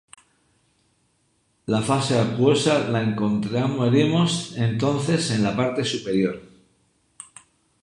La fase acuosa la encontraremos entonces en la parte superior.